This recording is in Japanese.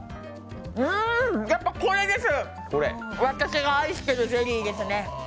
うん、やっぱこれです私が愛してるゼリーですね。